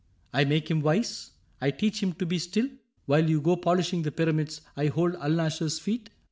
I make him wise ? I teach him to be still ? While you go polishing the Pyramids, I hold Alnaschar's feet